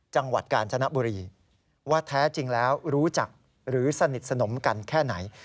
จังหวัดกาญจนบุรีว่าแท้จริงแล้วรู้จักหรือสนิทสนมกันแค่ไหน